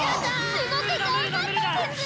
すごく頑張ったんです！